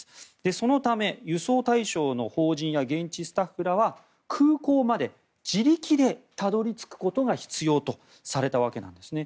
そのため輸送対象の邦人や現地スタッフらは空港まで自力でたどり着くことが必要とされたわけなんですね。